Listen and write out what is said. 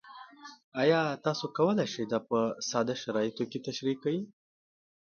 ایا تاسو کولی شئ دا په ساده شرایطو کې تشریح کړئ؟